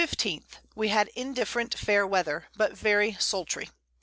_ We had indifferent fair Weather, but very sultry.